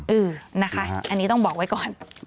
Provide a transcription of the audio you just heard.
อืมนะคะอันนี้ต้องบอกไว้ก่อน